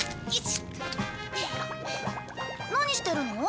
何してるの？